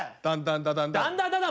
「だんだんだだん」